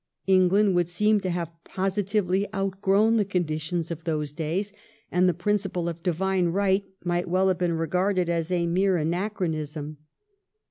England would seem to have positively outgrown the conditions of those days, and the principle of divine right might well have been regarded as a mere anachronism.